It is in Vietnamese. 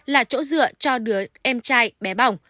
là chỗ dựa cho đứa em trai bé bỏng